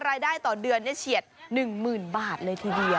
รายได้ต่อเดือนเฉียด๑๐๐๐บาทเลยทีเดียว